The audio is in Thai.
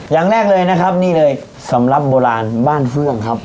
อย่างแรกเลยนะครับนี่เลยสำหรับโบราณบ้านเฟื่องครับ